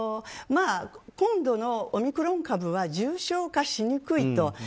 今度のオミクロン株は重症化しにくいと。